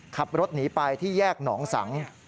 ขับรถหนีไปที่แยกหนองสัง